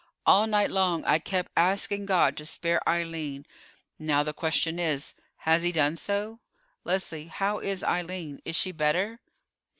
All night long I kept asking God to spare Eileen; and now the question is, has He done so? Leslie, how is Eileen? Is she better?"